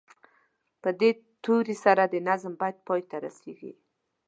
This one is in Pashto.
په دې توري سره د نظم بیت پای ته رسیږي.